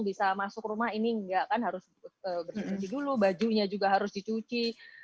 bisa masuk rumah ini enggak kan harus bersih bersih dulu bajunya juga harus dicuci